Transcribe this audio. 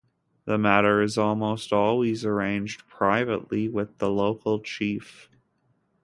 The matter is almost always arranged privately with the local chief.